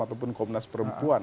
ataupun komnas perempuan